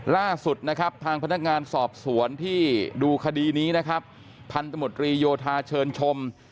ล่าสุดนะครับทางพนักงานสอบสวนที่ดูคดีนี้นะครับพันธมตรีโยธาเชิญชม